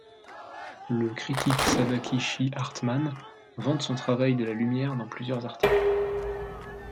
Le critique Sadakichi Hartmann vante son travail de la lumière dans plusieurs articles.